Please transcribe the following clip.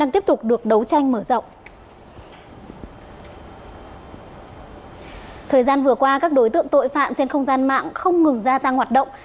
thời gian vừa qua các đối tượng tội phạm trên không gian mạng không ngừng gia tăng hoạt động